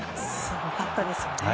すごかったですね。